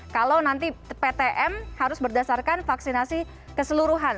kalau nanti ptm harus berdasarkan vaksinasi keseluruhan